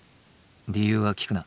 理由は聞くな。